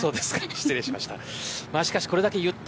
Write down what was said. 失礼しました。